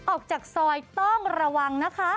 ออกจากซอยต้องระวังนะคะ